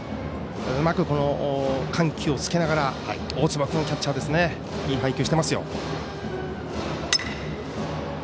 うまく緩急をつけながら大坪君、キャッチャーはいい配球していますよ。